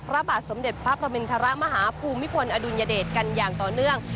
พระบาทสมเด็จพระประมินทรมาฮภูมิพลอดุลยเดชกันอย่างต่อเนื่อง